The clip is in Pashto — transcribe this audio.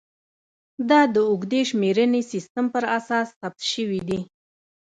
دا د اوږدې شمېرنې سیستم پر اساس ثبت شوې وې